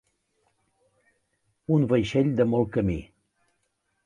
Un vaixell de molt camí.